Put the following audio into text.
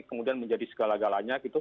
kemudian menjadi segala galanya gitu